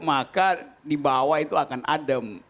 maka di bawah itu akan adem